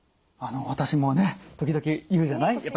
あの私もね時々言うじゃない？